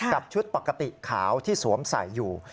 กับชุดปกติขาวที่สวมใส่อยู่